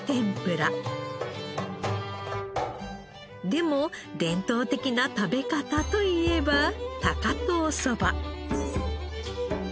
でも伝統的な食べ方といえば高遠そば。